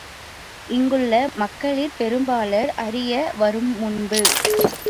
இங்குள்ள மக்களிற் பெரும்பாலார் ஆரியர் வருமுன்பு